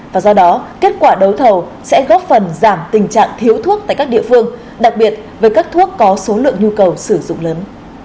và do đó kết quả đấu thầu sẽ góp phần giảm tình trạng thiếu thuốc tại các địa phương đặc biệt với các thuốc có số lượng nhu cầu sử dụng lớn